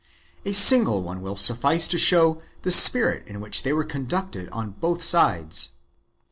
A single one will suffice to show the spirit in which they were conducted on both sides.